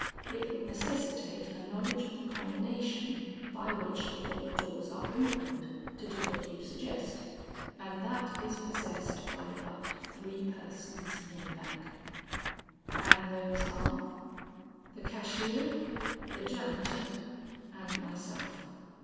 It would necessitate a knowledge of the combination by which the vault doors are opened, to do what you suggest, and that is possessed by but three persons in the bank." "And those are?" "The cashier, the janitor, and myself."